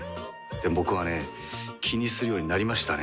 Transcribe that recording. でも僕はね気にするようになりましたね。